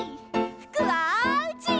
ふくはうち！